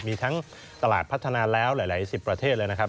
มีทั้งตลาดพัฒนาแล้วหลายสิบประเทศเลยนะครับ